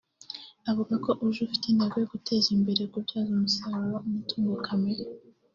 avuga ko uje ufite intego yo guteza imbere kubyaza umusaruro umutungo kamere